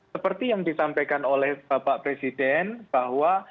seperti yang disampaikan oleh bapak presiden bahwa